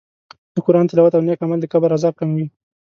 د قرآن تلاوت او نېک عمل د قبر عذاب کموي.